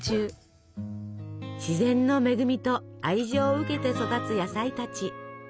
自然の恵みと愛情を受けて育つ野菜たち。